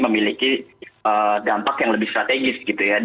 memiliki dampak yang lebih strategis